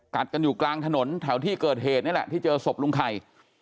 กันอยู่กลางถนนแถวที่เกิดเหตุนี่แหละที่เจอศพลุงไข่